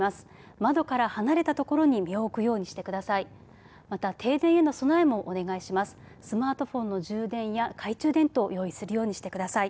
窓から離れたところに身を置くようにしてください。